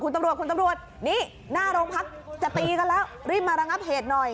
คุณตำรวจคุณตำรวจนี่หน้าโรงพักจะตีกันแล้วรีบมาระงับเหตุหน่อย